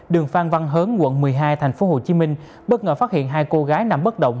đường phan văn hớn quận một mươi hai thành phố hồ chí minh bất ngờ phát hiện hai cô gái nằm bất động